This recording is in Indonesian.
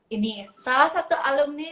ini salah satu alumni